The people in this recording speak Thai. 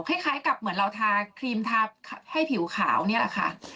คล้ายกับเหมือนเราทาครีมทาให้ผิวขาวนี่แหละค่ะ